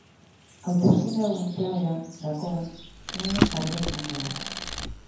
Hauteskunde hauen klabea, gakoa, sunien jarrera izango da.